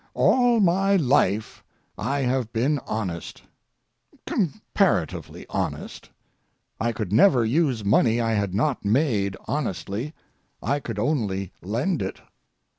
All my life I have been honest—comparatively honest. I could never use money I had not made honestly—I could only lend it.